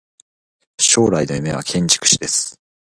将来の夢は建築士です。